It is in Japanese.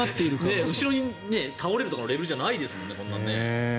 後ろに倒れるとかのレベルじゃないですよね。